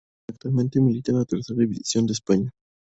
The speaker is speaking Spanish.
Actualmente milita en la Tercera División de España.